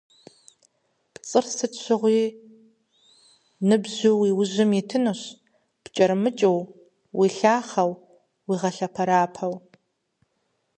Пцӏыр сыт щыгъуи ныбжьу уи ужьым итынущ пкӀэрымыкӀыу, уилъахъэу, уигъэлъэпэрапэу.